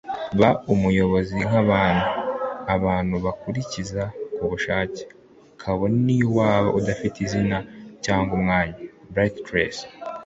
ba umuyobozi nk'abantu abantu bazakurikiza ku bushake, kabone niyo waba udafite izina cyangwa umwanya. - brian tracy